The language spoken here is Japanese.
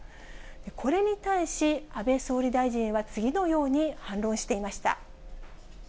これに対し、安倍総理大臣は次のように反論していました。